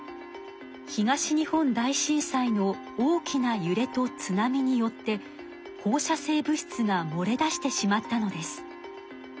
東日本大震災の大きなゆれと津波によって放射性物質がもれ出してしまったのです。